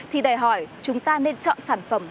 thì đề hỏi chúng ta nên chọn sản phẩm